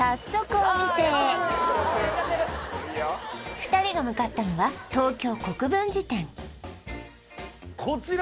２人が向かったのは東京国分寺店はい